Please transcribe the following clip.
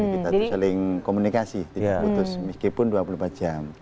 kita tuh saling komunikasi tidak putus meskipun dua puluh empat jam